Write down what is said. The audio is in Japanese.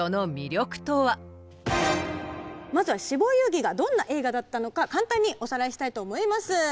まずは「死亡遊戯」がどんな映画だったのか簡単におさらいしたいと思います。